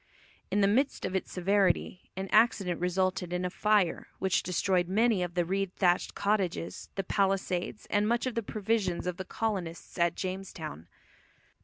In the midst of its severity an accident resulted in a fire which destroyed many of the reed thatched cottages, the palisades, and much of the provisions of the colonists at Jamestown.